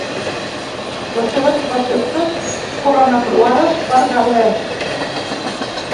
Les seves receptes foren aprovades per Galè.